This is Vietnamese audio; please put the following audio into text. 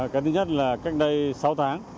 cái thứ nhất là cách đây sáu tháng